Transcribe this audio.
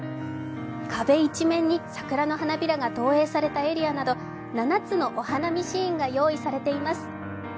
壁一面に桜の花びらが投影されたエリアなど７つのお花見シーンが用意されています。